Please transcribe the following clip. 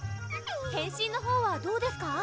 変身のほうはどうですか？